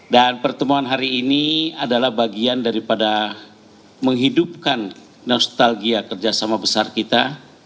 dan pertemuan hari ini adalah bagian daripada menghidupkan nostalgia kerjasama besar kita